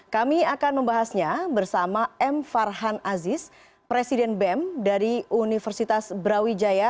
kami akan membahasnya bersama m farhan aziz presiden bem dari universitas brawijaya